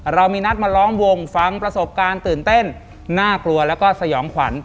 เรามีนัดมาล้อมวงฟังประสบการณ์ตื่นเต้นน่ากลัวแล้วก็สยองขวัญ